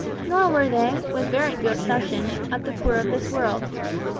Nor were they, with very few exceptions, of the poor of this world.